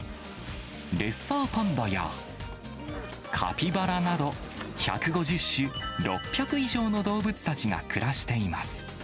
レッサーパンダや、カピバラなど、１５０種６００以上の動物たちが暮らしています。